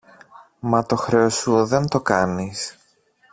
μα το χρέος σου δεν το κάνεις!